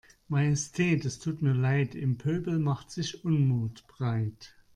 Majestät es tut mir Leid, im Pöbel macht sich Unmut breit.